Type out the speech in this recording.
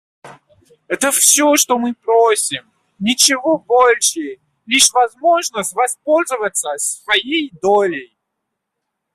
Это все, что мы просим, ничего больше — лишь возможность воспользоваться своей долей.